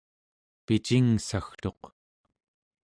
picingssagtuq